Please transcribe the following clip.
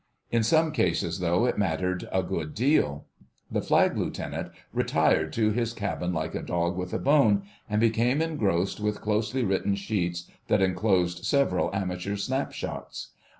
In some cases, though, it mattered a good deal. The Flag Lieutenant retired to his cabin like a dog with a bone, and became engrossed with closely written sheets that enclosed several amateur snapshots.